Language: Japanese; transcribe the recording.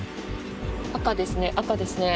赤ですね。